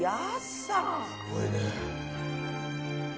すごいね。